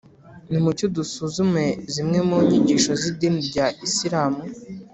nimucyo dusuzume zimwe mu nyigisho z’idini rya isilamu